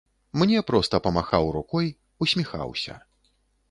Мне проста памахаў рукой, усміхаўся.